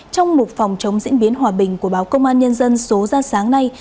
trong một phòng chống diễn biến hòa bình của báo công an nhân dân số ra sáng nay